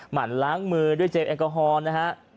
หั่นล้างมือด้วยเจลแอลกอฮอลนะฮะ